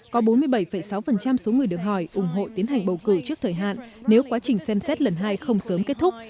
có bốn mươi bảy sáu số người được hỏi ủng hộ tiến hành bầu cử trước thời hạn nếu quá trình xem xét lần hai không sớm kết thúc